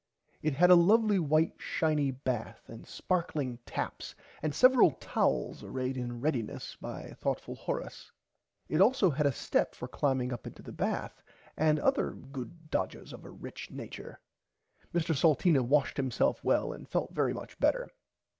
It had a lovly white shiny bath and sparkling taps and several towels arrayed in readiness by thourghtful Horace. It also had a step for climbing up the bath and other good dodges of a rich nature. Mr Salteena washed himself well and felt very much better.